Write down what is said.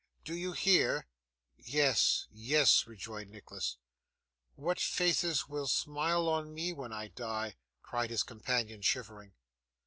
Do you hear?' 'Yes, yes,' rejoined Nicholas. 'What faces will smile on me when I die!' cried his companion, shivering.